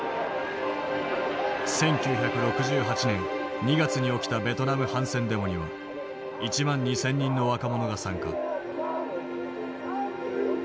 １９６８年２月に起きたベトナム反戦デモには１万２，０００人の若者が参加。